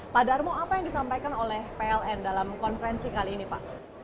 pak darmo apa yang disampaikan oleh pln dalam konferensi kali ini pak